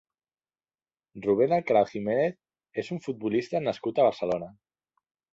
Rubén Alcaraz Jiménez és un futbolista nascut a Barcelona.